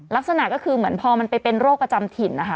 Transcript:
ลักษณะก็คือเหมือนพอมันไปเป็นโรคประจำถิ่นนะคะ